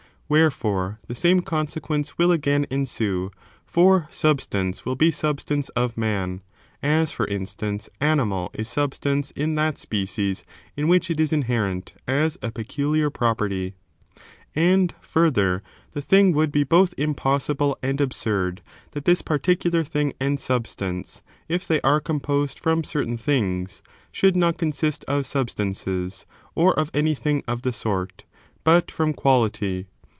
Wherefore, the same conse quence will again ensue, for substance will be substance of man 0 as, for instance, animal is substance in that species in which it is inherent as a peculiar property. t '^^^ further, the thing would be both im a tubstance"^ possiblc and absurd, that this particular thing poses ?uch*^ ^^^ substance, if they are composed from certain things, should not consist of substances, or of anything of the sort, but from quality.